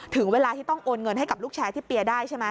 ถึงเวลาที่ต้องโอนเงินให้กับลูกแชร์ที่เปียร์ได้ใช่ไหม